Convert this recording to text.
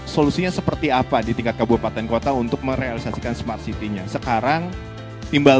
solusinya seperti apa di tingkat kabupaten kota untuk merealisasikan smart city nya sekarang tinggal